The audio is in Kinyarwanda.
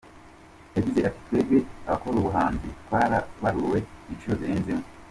Yagize ati “Twebwe abakora ubuhanzi twarabaruwe inshuro zirenze imwe.